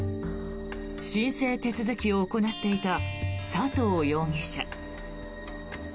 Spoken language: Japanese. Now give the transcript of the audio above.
申請手続きを行っていた佐藤容疑者。